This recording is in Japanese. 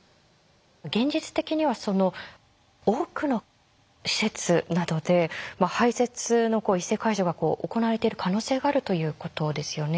現実的には多くの施設などで排せつの異性介助が行われている可能性があるということですよね。